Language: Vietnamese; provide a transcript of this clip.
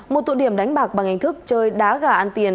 một tụ điểm đánh bạc bằng hình thức chơi đá gà ăn tiền